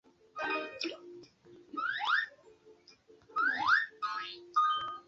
kazi yangu ni massage pedicure macure